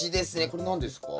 これ何ですか？